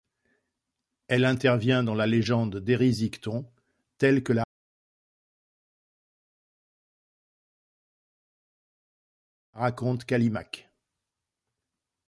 Elle intervient dans la légende d'Érysichthon telle que la raconte Callimaque.